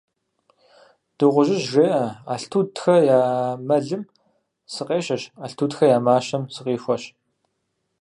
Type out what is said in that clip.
Дыгъужьыжь жеӀэ: «Алтутхэ я мэлым сыкъещэщ, Алтутхэ я мащэм сыкъихуэщ.».